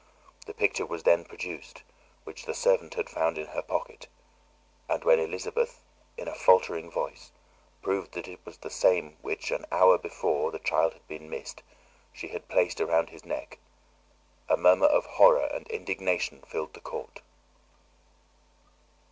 The picture was then produced which the servant had found in her pocket; and when Elizabeth, in a faltering voice, proved that it was the same which, an hour before the child had been missed, she had placed round his neck, a murmur of horror and indignation filled the court.